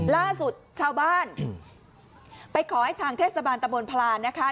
ล่าสุดชาวบ้านไปขอให้ทางเทศบาลตะบนพลานนะคะ